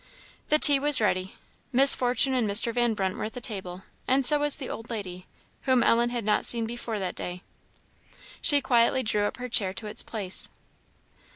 The tea was ready. Miss Fortune and Mr. Van Brunt were at the table, and so was the old lady, whom Ellen had not seen before that day. She quietly drew up her chair to its place.